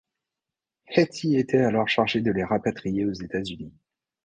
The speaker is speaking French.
Hetty était alors chargée de les rapatrier aux États-Unis.